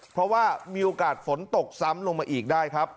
เพราะว่ามีโอกาสฝนตกซ้ำลงมาอีกได้ครับ